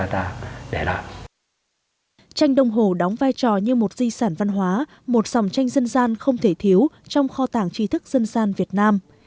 tranh đông hồ đóng vai trò như một di sản văn hóa một dòng tranh dân gian không thể thiếu trong kho tàng trí thức dân gian việt nam